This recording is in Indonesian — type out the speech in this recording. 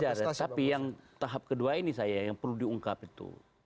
bisa saja ada tapi yang tahap kedua ini saya yang perlu diungkap itu